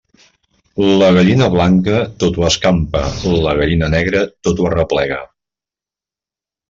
La gallina blanca, tot ho escampa; la gallina negra, tot ho arreplega.